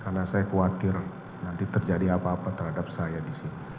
karena saya khawatir nanti terjadi apa apa terhadap saya di sini